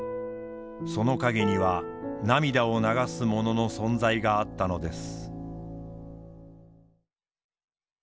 その陰には涙を流す者の存在があったのです。